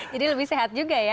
jadi lebih sehat juga ya